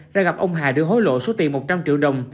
ra gặp ông hà đưa hối lộ số tiền một trăm linh triệu đồng